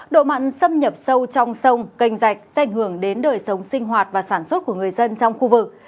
độ mặn xâm nhập sâu trong sông canh rạch sẽ ảnh hưởng đến đời sống sinh hoạt và sản xuất của người dân trong khu vực